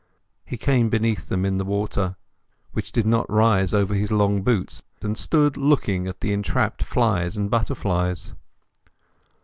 He came beneath them in the water, which did not rise over his long boots; and stood looking at the entrapped flies and butterflies.